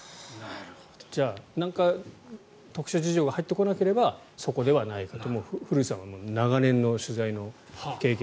じゃあなんらかの特殊事情が入ってこなければそこではないかと。